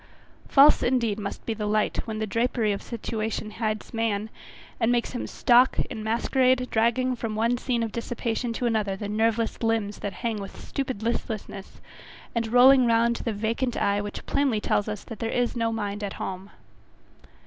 False, indeed, must be the light when the drapery of situation hides the man, and makes him stalk in masquerade, dragging from one scene of dissipation to another the nerveless limbs that hang with stupid listlessness, and rolling round the vacant eye which plainly tells us that there is no mind at home.